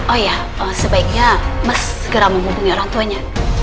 oh ya sebaiknya mas segera menghubungi orang tuanya